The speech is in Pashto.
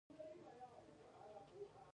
د کابل د باغ بالا د تیموري دورې باغ دی